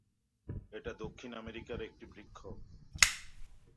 এটা দক্ষিণ আমেরিকার একটি বৃক্ষ।